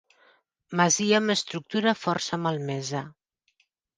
Masia amb estructura força malmesa.